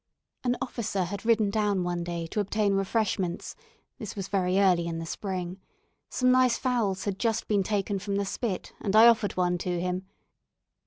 An officer had ridden down one day to obtain refreshments (this was very early in the spring); some nice fowls had just been taken from the spit, and I offered one to him.